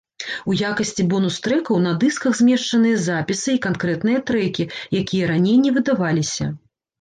У якасці бонус-трэкаў на дысках змешчаныя запісы і канкрэтныя трэкі, якія раней не выдаваліся.